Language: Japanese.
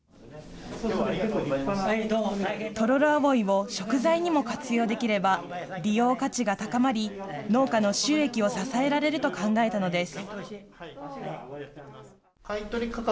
トロロアオイを食材にも活用できれば、利用価値が高まり、農家の収益を支えられると考えたのです。